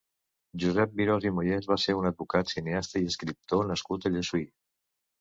Josep Virós i Moyés va ser un advocat, cineasta i escriptor nascut a Llessui.